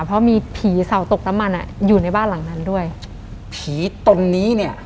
เพราะมีผีเสาตกน้ำมันอ่ะอยู่ในบ้านหลังนั้นด้วยผีตนนี้เนี่ย